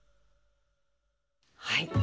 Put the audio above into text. はい。